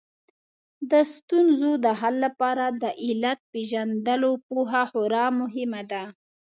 د ستونزو د حل لپاره د علت پېژندلو پوهه خورا مهمه ده